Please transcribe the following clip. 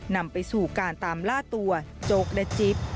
นำไปสู่การตามล่าตัวโจ๊กและจิ๊บ